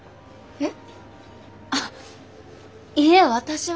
えっ。